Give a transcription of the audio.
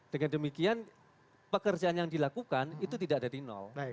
dengan demikian pekerjaan yang dilakukan itu tidak dari nol